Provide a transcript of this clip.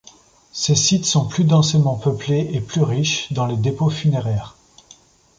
Ces sites sont plus densément peuplés et plus riches dans les dépôts funéraires.